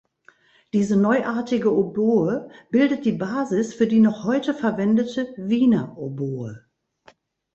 Diese neuartige Oboe bildet die Basis für die noch heute verwendete „Wiener Oboe“.